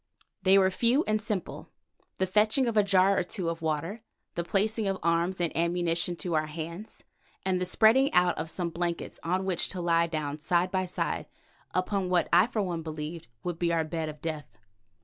They were few and simple: the fetching of a jar or two of water, the placing of arms and ammunition to our hands, and the spreading out of some blankets on which to lie down side by side upon what I for one believed would be our bed of death.